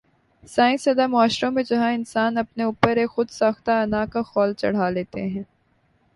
science زدہ معاشروں میں جہاں انسان اپنے اوپر ایک خود ساختہ انا کا خول چڑھا لیتے ہیں